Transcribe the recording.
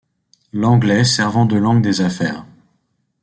L'anglais servant de langue des affaires.